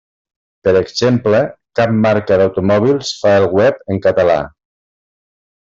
Per exemple, cap marca d'automòbils fa el web en català.